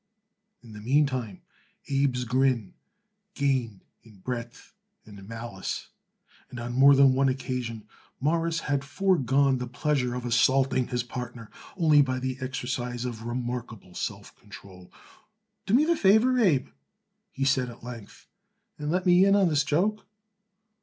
In the meantime Abe's grin gained in breadth and malice, and on more than one occasion Morris had foregone the pleasure of assaulting his partner only by the exercise of remarkable self control. "Do me the favor, Abe," he said at length, "and let me in on this joke."